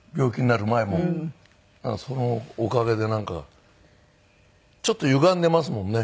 だからそのおかげでなんかちょっとゆがんでますもんね